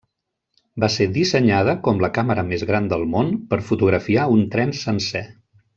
Va ser dissenyada com la càmera més gran del món per fotografiar un tren sencer.